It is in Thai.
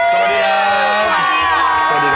สวัสดีค่ะ